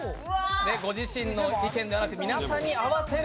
ご自身の意見ではなくて皆さんに合わせる。